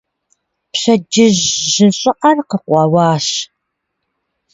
Пщэдджыжь жьы щӀыӀэр къыкъуэуащ.